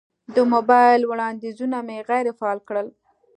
د موبایل وړاندیزونه مې غیر فعال کړل.